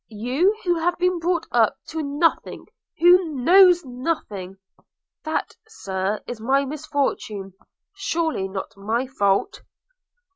you who have been brought up to nothing, who knows nothing –' 'That, Sir, is my misfortune – surely not my fault.'